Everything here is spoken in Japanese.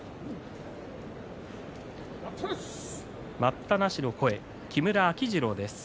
待ったなしの声、木村秋治郎。